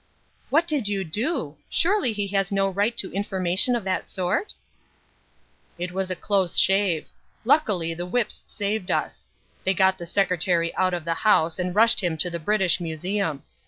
"What did you do? Surely he has no right to information of that sort?" "It was a close shave. Luckily the Whips saved us. They got the Secretary out of the House and rushed him to the British Museum.